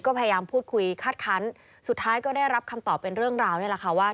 ก็พยายามพูดคุยคาดคันสุดท้ายก็ได้รับคำตอบเป็นเรื่องราวนี่แหละค่ะว่า